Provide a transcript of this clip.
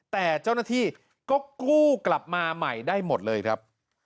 แต่เจ้าหน้าที่ก็กู้กลับมาใหม่ได้หมดเลยครับ